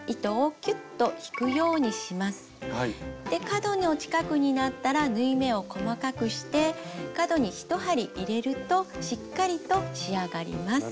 角の近くになったら縫い目を細かくして角に１針入れるとしっかりと仕上がります。